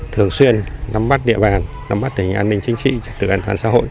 thường xuyên nắm bắt địa bàn nắm bắt tình hình an ninh chính trị trật tự an toàn xã hội